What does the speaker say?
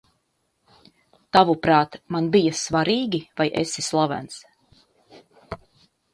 Tavuprāt, man bija svarīgi, vai esi slavens?